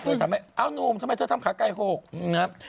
ก็ต่างเราทำให้เอานุ่มทำไมเธอทำขาใกล้โหกนะฮะ